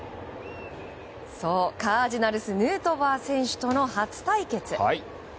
そう、カージナルスヌートバー選手との初対決。